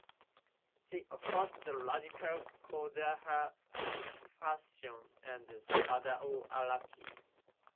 They opposed the radical "Kodaha" faction under Sadao Araki.